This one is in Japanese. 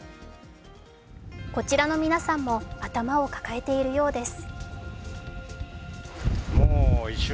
こちらの皆さんも頭を抱えているようです。